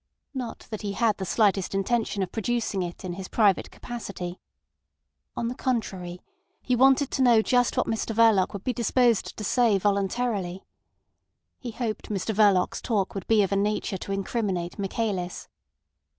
Not that he had the slightest intention of producing it in his private capacity. On the contrary, he wanted to know just what Mr Verloc would be disposed to say voluntarily. He hoped Mr Verloc's talk would be of a nature to incriminate Michaelis.